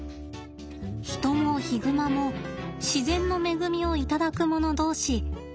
ヒトもヒグマも自然の恵みを頂くもの同士